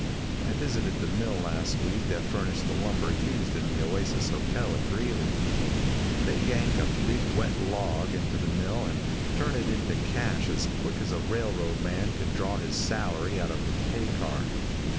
I visited the mill last week that furnished the lumber used in the Oasis hotel at Greeley. They yank a big wet log into that mill and turn it into cash as quick as a railroad man can draw his salary out of the pay car.